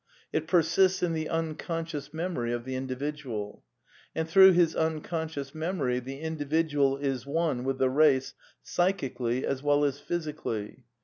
It persists in the unconscious memory of the individuaL And through his unconscious memory the individual is one with tiie race psychically as well as physically.